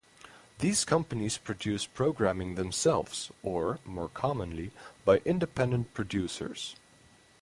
These companies produce programming themselves or, more commonly, by independent producers.